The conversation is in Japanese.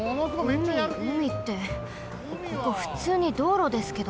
うみうみってここふつうにどうろですけど。